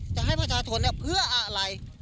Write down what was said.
จะให้ประชาธนธรรมนี้เพื่ออะไร